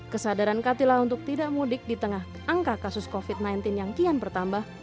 kesadaran katila untuk tidak mudik di tengah angka kasus covid sembilan belas yang kian bertambah